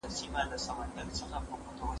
زه به کتابتون ته تللی وي!!